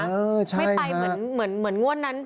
ไม่ไปเหมือนงวดนั้น